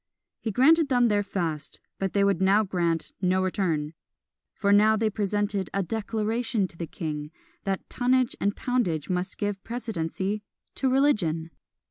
He granted them their fast, but they would now grant no return; for now they presented "a Declaration" to the king, that tonnage and poundage must give precedency to religion!